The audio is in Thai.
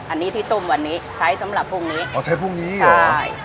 อันนี้ที่ต้มวันนี้ใช้สำหรับพรุ่งนี้อ๋อใช้พรุ่งนี้ใช่